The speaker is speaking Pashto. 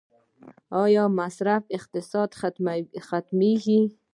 آیا مصرفي اقتصاد ختمیږي؟